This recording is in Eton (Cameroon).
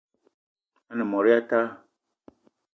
A-ne mot ya talla